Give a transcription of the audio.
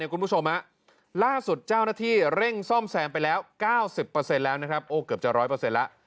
คุณผู้ชมล่าสุดเจ้าหน้าที่เร่งซ่อมแซมไปแล้ว๙๐แล้วนะครับโอ้เกือบจะ๑๐๐แล้ว